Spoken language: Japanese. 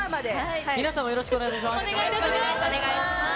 皆さんもよろしくお願いいたお願いします。